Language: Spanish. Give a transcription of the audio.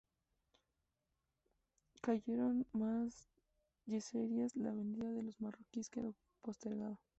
Cayeron más yeserías...la venida de los marroquíes quedó postergada.